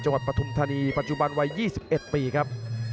จังหวัดปทุมธนีย์ปัจจุบันวัย๒๑ปีครับ